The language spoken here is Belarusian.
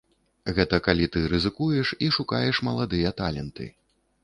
Гэта калі ты рызыкуеш і шукаеш маладыя таленты.